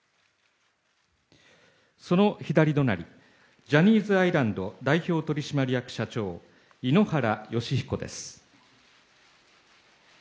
その左隣ジャニーズアイランド代表取締役社長井ノ原快彦です。